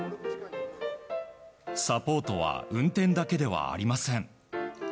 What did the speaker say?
サポートは運転だけではありません。